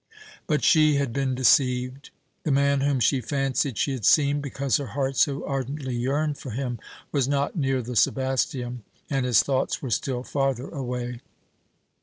But she had been deceived; the man whom she fancied she had seen, because her heart so ardently yearned for him, was not near the Sebasteum, and his thoughts were still farther away.